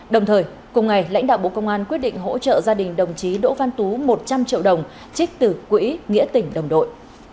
đồng thời cùng ngày lãnh đạo bộ công an quyết định hỗ trợ gia đình đồng chí đỗ văn tú một trăm linh triệu đồng trích từ quỹ nghĩa tỉnh đồng đội